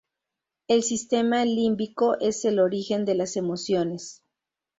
El sistema límbico es el origen de las emociones.